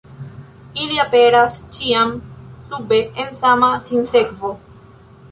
Ili aperas ĉiam sube en sama sinsekvo.